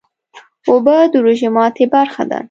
اوبه د روژې ماتی برخه ده